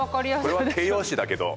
これは形容詞だけど。